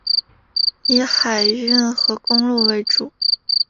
以海运和公路为主。